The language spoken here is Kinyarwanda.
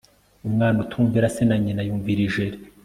umwana utumvira se na nyina yumvira ijeri